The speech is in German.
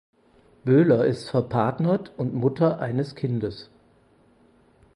Böhler ist verpartnert und Mutter eines Kindes.